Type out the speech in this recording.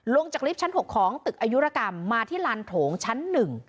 ลงจากลิฟท์ชั้น๖ของตึกอายุรกรรมมาที่ลานโถงชั้น๑